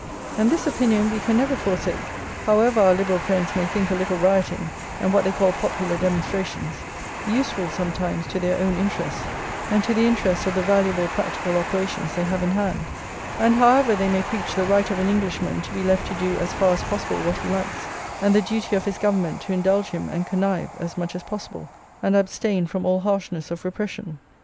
And this opinion we can never forsake, however our Liberal friends may think a little rioting, and what they call popular demonstrations, useful sometimes to their own interests and to the interests of the valuable practical operations they have in hand, and however they may preach the right of an Englishman to be left to do as far as possible what he likes, and the duty of his government to indulge him and connive as much as possible and abstain from all harshness of repression.